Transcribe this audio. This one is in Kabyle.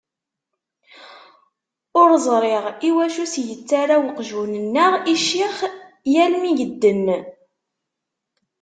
Ur ẓriɣ iwacu i s-yettarra uqjun-nneɣ i ccix yal mi yedden.